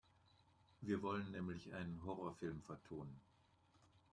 Wir wollen nämlich einen Horrorfilm vertonen.